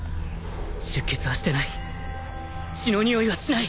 出血はしてない血のにおいはしない